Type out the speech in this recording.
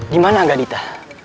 di mana gadita